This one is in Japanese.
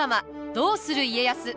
「どうする家康」。